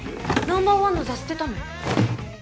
ナンバーワンの座捨てたの？